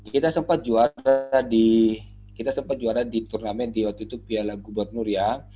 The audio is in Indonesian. kita sempat juara di turnamen di waktu itu piala gubernur ya